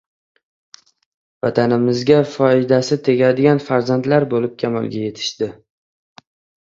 Vatanimizga foydasi tegadigan farzandlar bo‘lib kamolga yetishdi.